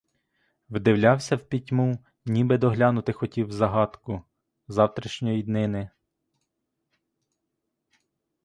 Вдивлявся в пітьму, ніби доглянути хотів загадку завтрашньої днини.